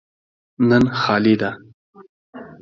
نن خالي ده.